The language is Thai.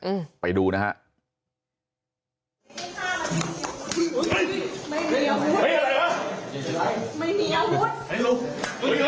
น้าสาวของน้าผู้ต้องหาเป็นยังไงไปดูนะครับ